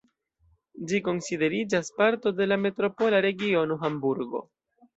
Ĝi konsideriĝas parto de la metropola regiono Hamburgo.